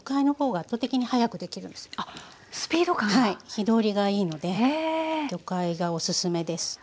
火通りがいいので魚介がおすすめです。